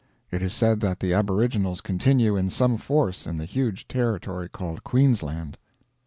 It is said that the aboriginals continue in some force in the huge territory called Queensland.